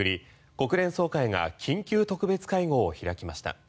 国連総会が緊急特別会合を開きました。